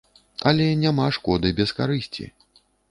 Але няма шкоды без карысці.